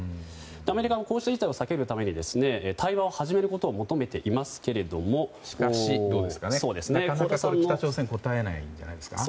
アメリカのこうした事態を避けるために対話を始めることをなかなか北朝鮮は応えないんじゃないですか。